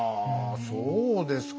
そうですか。